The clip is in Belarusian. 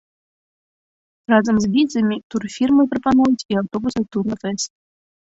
Разам з візамі турфірмы прапануюць і аўтобусны тур на фэст.